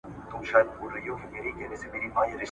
اوس به ضرور د قربانۍ د چړې سیوری وینو ..